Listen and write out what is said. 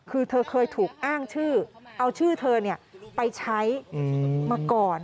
คือเธอเคยถูกอ้างชื่อเอาชื่อเธอไปใช้มาก่อน